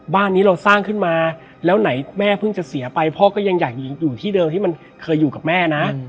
บ้านนี้เราสร้างขึ้นมาแล้วไหนแม่เพิ่งจะเสียไปพ่อก็ยังอยากอยู่ที่เดิมที่มันเคยอยู่กับแม่นะ